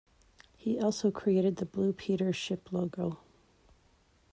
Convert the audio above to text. He also created the Blue Peter ship logo.